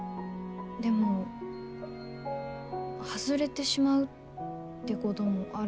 でも外れてしまうってこともあるんですよね。